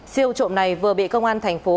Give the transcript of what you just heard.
siêu trộm này vừa bị công an thành phố